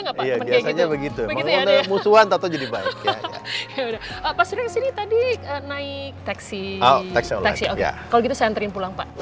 nggak begitu musuhan jadi baik apa sih tadi naik taxi taxi kalau gitu sentrin pulang pak